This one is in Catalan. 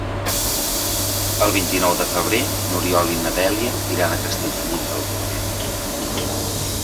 El vint-i-nou de febrer n'Oriol i na Dèlia iran a Castellfollit del Boix.